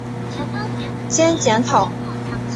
兼检讨。